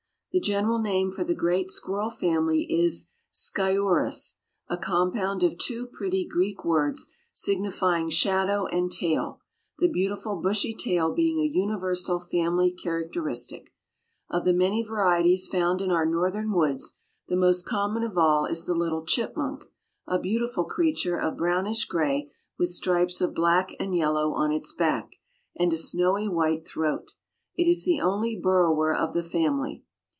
The general name for the great squirrel family is Sciurus, a compound of two pretty Greek words signifying shadow and tail, the beautiful bushy tail being a universal family characteristic. Of the many varieties found in our Northern woods the most common of all is the little chipmunk, a beautiful creature of brownish gray, with stripes of black and yellow on its back, and a snowy white throat. It is the only burrower of the family.